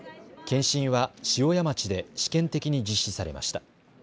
検診は塩谷町で試験的に実施されました。